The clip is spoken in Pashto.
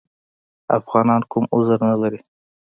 افغانان کوم عذر نه لري.